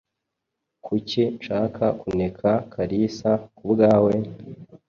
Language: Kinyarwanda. Kuki nshaka kuneka Kalisa kubwawe?